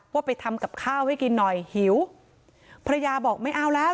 ว่าไปทำกับข้าวให้กินหน่อยหิวภรรยาบอกไม่เอาแล้ว